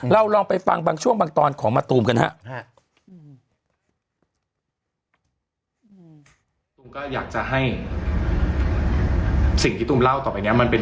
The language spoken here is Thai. ลองไปฟังบางช่วงบางตอนของมะตูมกันฮะ